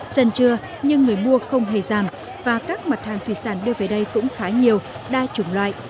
dần chưa nhưng người mua không hề giảm và các mặt hàng thủy sản đưa về đây cũng khá nhiều đa chủng loại